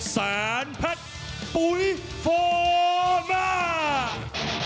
สันแพทย์ปุ๋ยฟอร์แมน